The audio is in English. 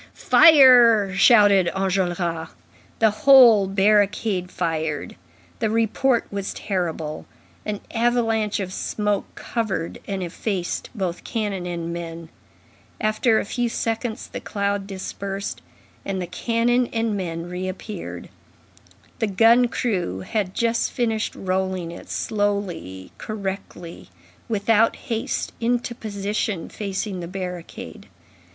"Fire!" shouted Enjolras. The whole barricade fired, the report was terrible; an avalanche of smoke covered and effaced both cannon and men; after a few seconds, the cloud dispersed, and the cannon and men reappeared; the gun crew had just finished rolling it slowly, correctly, without haste, into position facing the barricade.